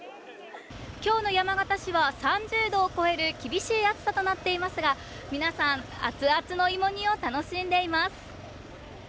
今日の山形市は３０度を超える厳しい暑さとなっていますが皆さん、熱々の芋煮を楽しんでいます。